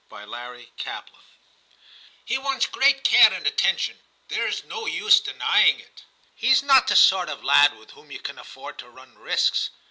Solomoris Song, * He wants great care and attention ; there is no use denying it. He is not the sort of lad with whom you can afford to run risks.